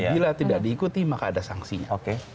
bila tidak diikuti maka ada sanksinya